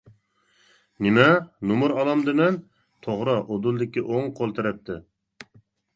-نېمە؟ نومۇر ئالامدىمەن؟ -توغرا، ئۇدۇلدىكى ئوڭ قول تەرەپتە.